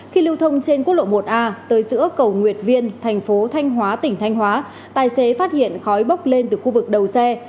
khi lưu thông trên quốc lộ một a tới giữa cầu nguyệt viên thành phố thanh hóa tỉnh thanh hóa tài xế phát hiện khói bốc lên từ khu vực đầu xe